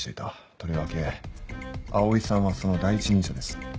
とりわけ葵さんはその第一人者です。